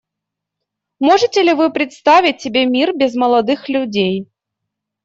Можете ли вы представить себе мир без молодых людей?